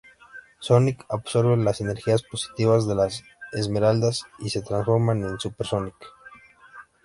Sonic absorbe las energías positivas de las esmeraldas y se transforma en Super Sonic.